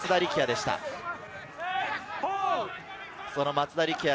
松田力也。